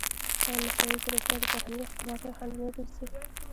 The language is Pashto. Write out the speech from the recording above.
ایا مصنوعي ځیرکتیا د فرهنګي خپلواکۍ خنډ نه ګرځي؟